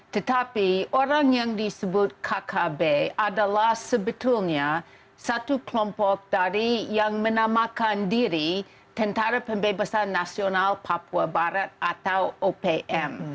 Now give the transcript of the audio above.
tetapi orang yang disebut kkb adalah sebetulnya satu kelompok dari yang menamakan diri tentara pembebasan nasional papua barat atau opm